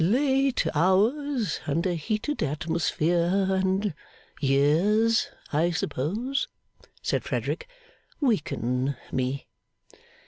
'Late hours, and a heated atmosphere, and years, I suppose,' said Frederick, 'weaken me.